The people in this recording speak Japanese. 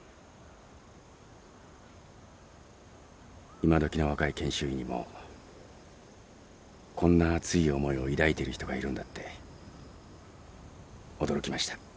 今どきの若い研修医にもこんな熱い思いを抱いてる人がいるんだって驚きました。